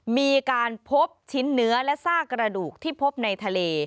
มีการพบชิ้นเนื้อและซากกระดูกที่พบในทะเล